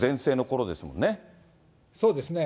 そうですね。